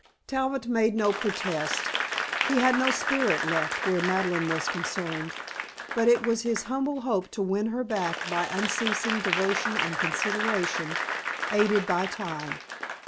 Talbot made no protest. He had no spirit left where Madeleine was concerned, but it was his humble hope to win her back by unceasing devotion and consideration, aided by time.